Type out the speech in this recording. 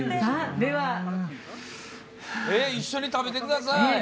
一緒に食べてください。